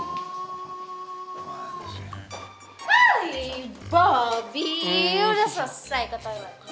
waduh bobi udah selesai ketemu